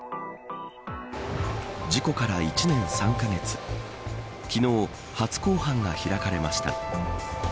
事故から１年３カ月昨日、初公判が開かれました。